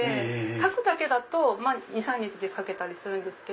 描くだけだと２３日で描けたりするんですけど。